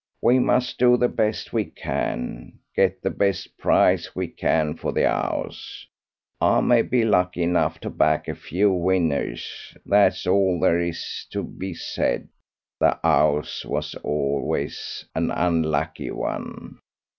We must do the best we can, get the best price we can for the 'ouse. I may be lucky enough to back a few winners. That's all there is to be said the 'ouse was always an unlucky one.